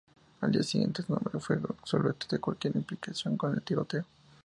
Al día siguiente, su nombre fue absuelto de cualquier implicación con el tiroteo.